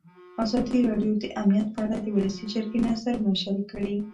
ازادي راډیو د امنیت په اړه د ولسي جرګې نظرونه شریک کړي.